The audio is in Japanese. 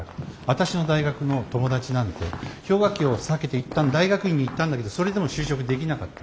私の大学の友達なんて氷河期を避けていったん大学院に行ったんだけどそれでも就職できなかった。